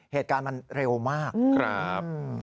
เหตุการณ์มันเร็วมากครับ